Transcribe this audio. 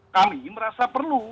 kami merasa perlu